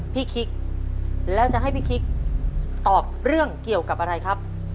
คิกแล้วจะให้พี่คิกตอบเรื่องเกี่ยวกับอะไรครับ